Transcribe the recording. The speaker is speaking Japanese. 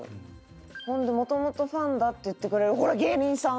ほんでもともとファンだって言ってくれるほら芸人さん。